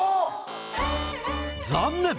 残念！